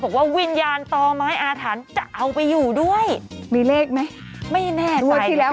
บอกว่าวิญญาณต่อไม้อาถรรพ์จะเอาไปอยู่ด้วยมีเลขไหมไม่แน่ด้วยที่แล้ว